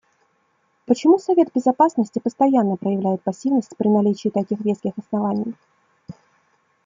Почему Совет Безопасности постоянно проявляет пассивность при наличии таких веских оснований?